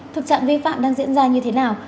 thực trạng vi phạm đang diễn ra như thế nào